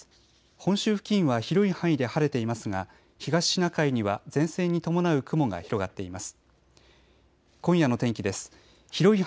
本州付近は広い範囲で晴れていますが東シナ海には前線に伴う雲が広がっています。